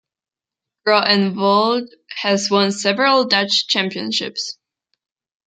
Groenewold has won several Dutch Championships.